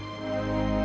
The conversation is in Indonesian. aku mau balik